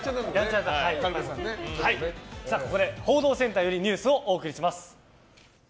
ここで報道センターよりニュースをお送りします。